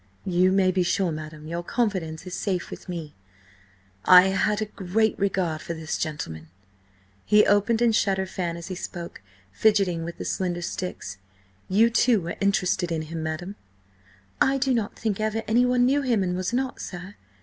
"You may be sure, madam, your confidence is safe with me. I had–a great regard for this gentleman." He opened and shut her fan as he spoke, fidgeting with the slender sticks. "You, too, were interested in him, madam?" "I do not think ever anyone knew him and was not, sir.